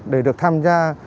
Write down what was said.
để được tham gia